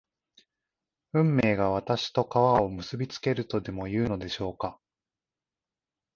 運命が私と川を結びつけるとでもいうのでしょうか